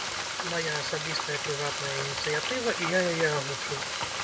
Мая асабістая прыватная ініцыятыва, і я яе агучыў.